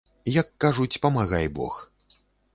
Як кажуць, памагай бог.